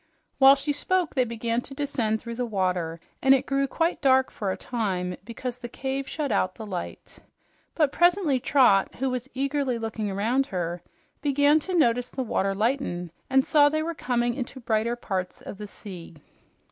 While she spoke they began to descend through the water, and it grew quite dark for a time because the cave shut out the light. But presently Trot, who was eagerly looking around her, began to notice the water lighten and saw they were coming into brighter parts of the sea.